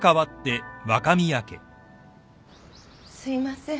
すいません。